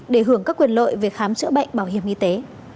để hưởng các quyền lợi về khám chữa bệnh bảo hiểm y tế